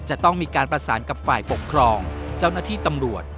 จะต้องมีการประสานกับฝ่ายปกครองเจ้าหน้าที่ตำรวจ